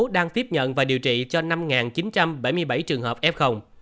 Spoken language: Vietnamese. đang tiếp nhận và điều trị cho năm chín trăm bảy mươi bảy trường hợp f